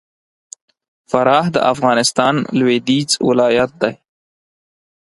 فراه د افغانستان لوېدیځ ولایت دی